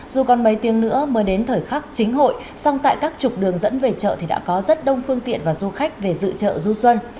dù còn mấy tiếng nữa mới đến thời khắc chính hội song tại các trục đường dẫn về chợ thì đã có rất đông phương tiện và du khách về dự chợ du xuân